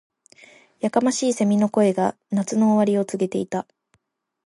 •やかましい蝉の声が、夏の終わりを告げていた。